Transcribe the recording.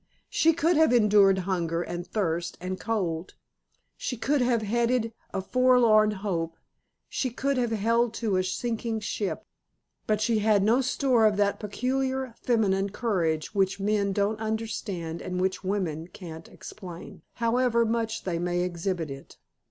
She could have endured hunger and thirst and cold: she could have headed a forlorn hope: she could have held to a sinking ship: but she had no store of that peculiar feminine courage which men don't understand and which women can't explain, however much they may exhibit it.